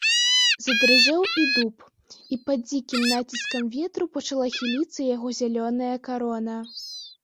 Задрыжэў і дуб, і пад дзікім націскам ветру пачала хіліцца яго зялёная карона.